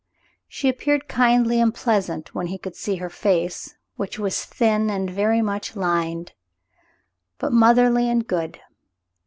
She appeared kindly and pleasant when he could see her face, which was thin and very much lined, but motherly and good.